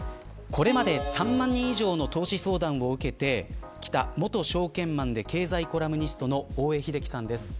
これまで３万人以上の投資相談を受けてきた元証券マンで経済コラムニストの大江英樹さんです。